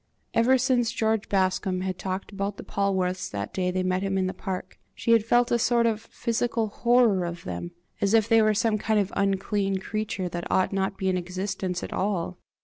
Ever since George Bascombe had talked about the Polwarths that day they met him in the park, she had felt a sort of physical horror of them, as if they were some kind of unclean creature that ought not to be in existence at all.